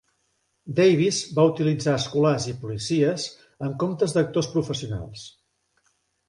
Davis va utilitzar escolars i policies en comptes d'actors professionals.